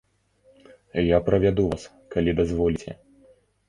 Я правяду вас, калі дазволіце.